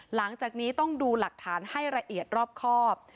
หลังจากนี้ต้องดูหลักฐานให้ละเอียดรอบครอบ